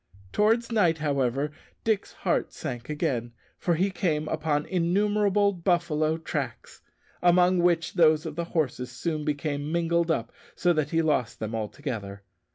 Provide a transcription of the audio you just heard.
Towards night, however, Dick's heart sank again, for he came upon innumerable buffalo tracks, among which those of the horses soon became mingled up, so that he lost them altogether.